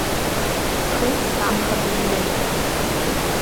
Схы самхабзиан.